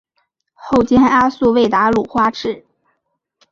后兼阿速卫达鲁花赤。